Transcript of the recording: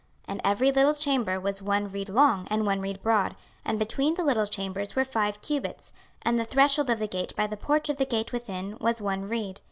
26:040:007 And every little chamber was one reed long, and one reed broad; and between the little chambers were five cubits; and the threshold of the gate by the porch of the gate within was one reed.